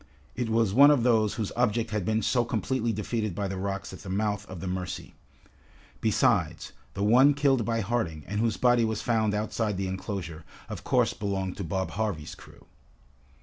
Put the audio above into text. It was one of those whose object had been so completely defeated by the rocks at the mouth of the Mercy. Besides, the one killed by Harding, and whose body was found outside the enclosure, of course belonged to Bob Harvey's crew.